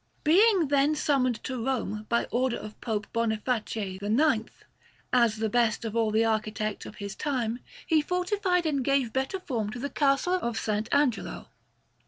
Being then summoned to Rome by order of Pope Boniface IX, as the best of all the architects of his time, he fortified and gave better form to the Castle of S. Angelo.